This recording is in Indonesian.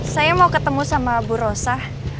saya mau ketemu sama bu rosa